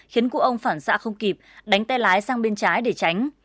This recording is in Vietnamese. khiến cụ ông phản xạ không kịp đánh tay lái sang bên trái để tránh